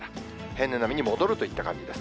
平年並みに戻るといった感じです。